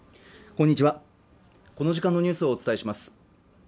こんにちはこの時間のニュースをお伝えします